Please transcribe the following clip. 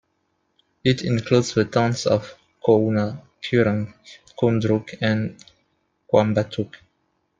It includes the towns of Cohuna, Kerang, Koondrook and Quambatook.